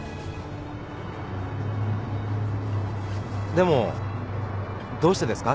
でもどうしてですか？